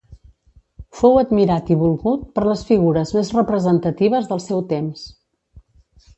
Fou admirat i volgut per les figures més representatives del seu temps.